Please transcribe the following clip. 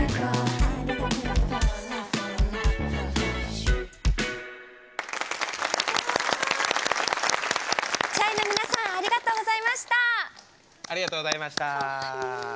ＣＨＡＩ の皆さんありがとうございました。